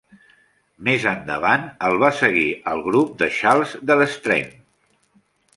Més endavant, el va seguir al grup de Charles Delestraint.